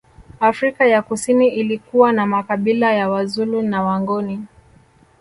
Afrika ya Kusini ilikuwa na makabila ya Wazulu na Wangoni